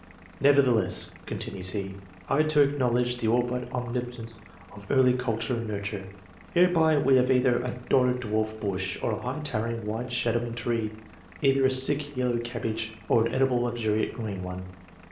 Nevertheless,' continues he, ' I too acknowledge the ail but . omnipotence of early culture and nurture : hereby we have either a doddered dwarf bush, or a high towering, wide shadowing tree ; either a sick yellow cabbage or an edible luxuriant green one.